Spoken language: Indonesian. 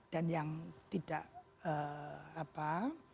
dan yang tidak apa boleh kita lupakan adalah dari sisi kesehatan